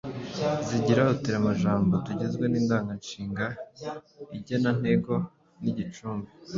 Zigira uturemajambo tugizwe n’indanganshinga, igenantego n’igicumbi